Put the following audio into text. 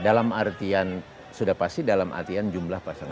dalam artian sudah pasti dalam artian jumlah pasangan